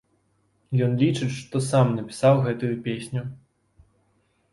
Ён лічыць, што сам напісаў гэтую песню.